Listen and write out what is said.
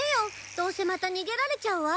どうせまた逃げられちゃうわ。